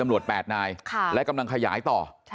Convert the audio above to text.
๘นายและกำลังขยายต่อ